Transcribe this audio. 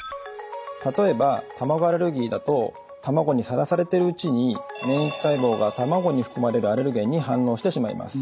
例えば卵アレルギーだと卵にさらされているうちに免疫細胞が卵に含まれるアレルゲンに反応してしまいます。